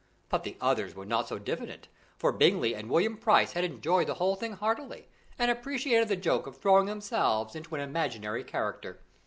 But the others were not so diffident, for Bingley and William Price had enjoyed the whole thing heartily, and appreciated the joke of throwing themselves into an imaginary character.